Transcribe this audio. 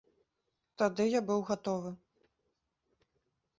Тады я быў гатовы.